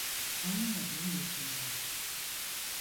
Anlamadığım bir şey var.